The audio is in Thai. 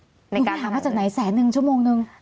ในการทำหนูถามว่าจากไหน๑๐๐๐๐๐บาท๑ชั่วโมงหนึ่ง